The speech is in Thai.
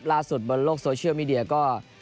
ล่าสุดบนโลกโซเชียลมีเดียก็